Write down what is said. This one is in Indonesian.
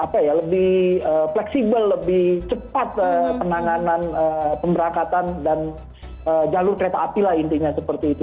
apa ya lebih fleksibel lebih cepat penanganan pemberangkatan dan jalur kereta api lah intinya seperti itu